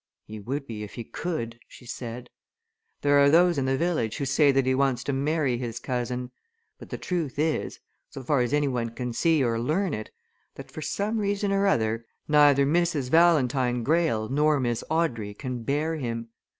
"He would be, if he could!" she said. "There are those in the village who say that he wants to marry his cousin. But the truth is so far as one can see or learn it that for some reason or other, neither Mrs. Valentine Greyle nor Miss Audrey can bear him!